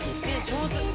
上手！